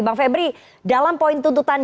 bang febri dalam poin tuntutan